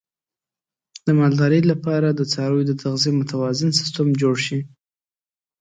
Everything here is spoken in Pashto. د مالدارۍ لپاره د څارویو د تغذیې متوازن سیستم جوړ شي.